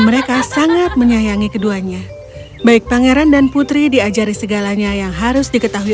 mereka sangat menyayangi keduanya baik pangeran dan putri diajari segalanya yang harus diketahui